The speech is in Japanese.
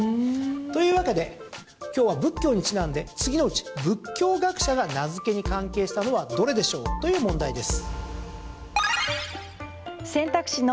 というわけで今日は仏教にちなんで次のうち、仏教学者が名付けに関係したのはどれでしょうという問題です。